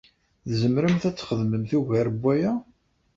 Tzemremt ad txedmemt ugar n waya?